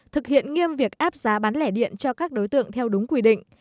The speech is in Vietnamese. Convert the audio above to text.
thực hiện nghiêm việc áp giá bán lẻ điện cho các đối tượng theo đúng quy định